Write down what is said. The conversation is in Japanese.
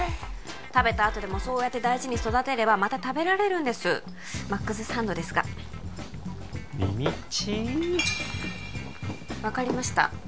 食べたあとでもそうやって大事に育てればまた食べられるんですマックス３度ですがみみっちい分かりました